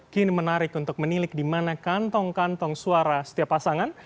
kini menarik untuk menilik di mana kantong kantong suara setiap pasangan